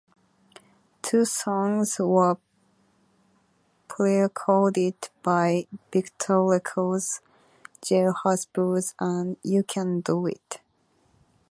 Two songs were prerecorded by Victor Records, "Jailhouse Blues" and "You Can't Do It!